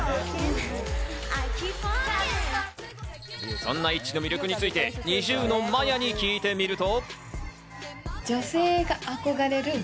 そんなＩＴＺＹの魅力についてＮｉｚｉＵのＭＡＹＡに聞いてみると。